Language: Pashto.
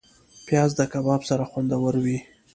پیاز د کباب سره خوندور وي